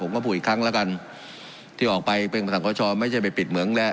ก็พูดอีกครั้งแล้วกันที่ออกไปเป็นภาษาขอชอไม่ใช่ไปปิดเหมืองแล้ว